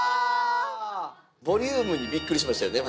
ボリュームにびっくりしましたよね。